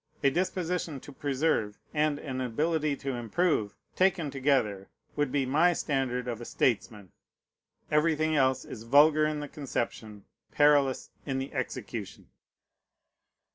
A disposition to preserve, and an ability to improve, taken together, would be my standard of a statesman. Everything else is vulgar in the conception, perilous in the execution.